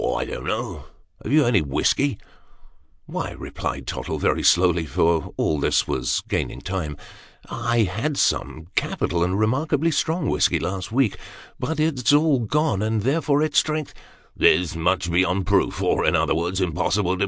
" Oh, I don't know have you any whiskey ?"" Why," replied Tottle, very slowly, for all this was gaining time, " I Jiad some capital, and remarkably strong whiskey last week ; but it's all gone and therefore its strength " "Is much beyond proof; or, in other words, impossible to